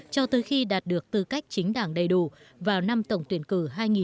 cho tới khi đạt được tư cách chính đảng đầy đủ vào năm tổng tuyển cử hai nghìn hai mươi